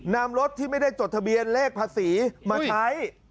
นำรถที่ไม่ได้จดทะเบียนเลขภาษีมาใช้